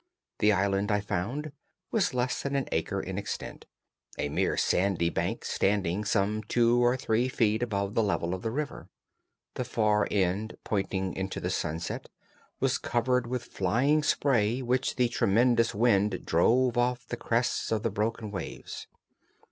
The island, I found, was less than an acre in extent, a mere sandy bank standing some two or three feet above the level of the river. The far end, pointing into the sunset, was covered with flying spray which the tremendous wind drove off the crests of the broken waves.